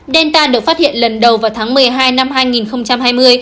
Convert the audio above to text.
delta được phát hiện lần đầu vào tháng một mươi hai năm hai nghìn hai mươi